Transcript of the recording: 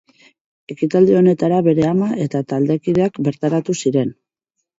Ekitaldi honetara bere ama eta taldekideak bertaratu ziren.